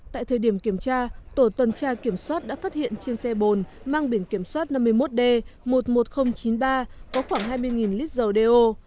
tại thời điểm kiểm tra tổ tuần tra kiểm soát đã phát hiện trên xe bồn mang biển kiểm soát năm mươi một d một mươi một nghìn chín mươi ba có khoảng hai mươi lít dầu đeo